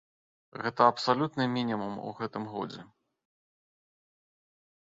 Гэта абсалютны мінімум у гэтым годзе.